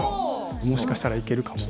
もしかしたらいけるかも？